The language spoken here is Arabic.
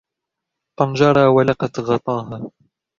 طنجره ولقت غطاها.